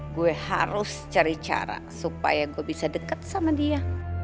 gue harus cari cara supaya gue bisa dekat sama dia